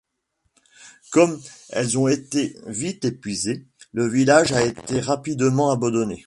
Comme elles ont été vite épuisées, le village a été rapidement abandonné.